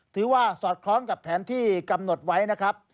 สอดคล้องกับแผนที่กำหนดไว้นะครับ